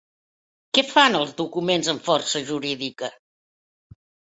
Què fan els documents amb força jurídica?